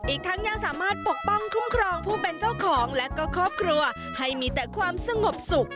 อีกทั้งยังสามารถปกป้องคุ้มครองผู้เป็นเจ้าของและก็ครอบครัวให้มีแต่ความสงบสุข